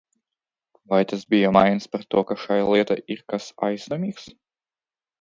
Vai tas bija mājiens par to, ka šajā lietā ir kas aizdomīgs?